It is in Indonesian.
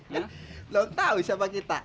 belum tau siapa kita